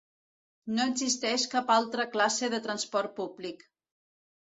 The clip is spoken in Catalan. No existeix cap altra classe de transport públic.